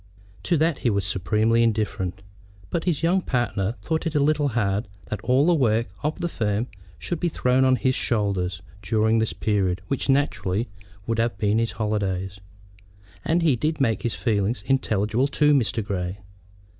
To that he was supremely indifferent; but his younger partner thought it a little hard that all the other work of the firm should be thrown on his shoulders during the period which naturally would have been his holidays, and he did make his feelings intelligible to Mr. Grey.